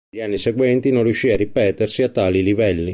Negli anni seguenti non riuscì a ripetersi a tali livelli.